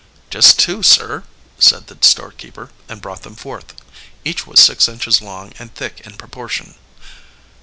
"Just two, sir," said the storekeeper, and brought them forth. Each was six inches long and thick in proportion.